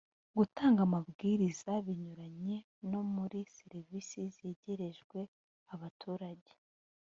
gutanga amabwiriza binyuranye no muri serivisi zegerejwe abaturage